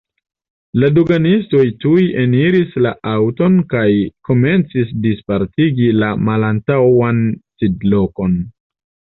La doganistoj tuj eniris la aŭton kaj komencis dispartigi la malantaŭan sidlokon.